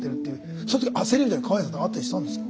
その時焦りみたいなの川栄さんとかあったりしたんですか。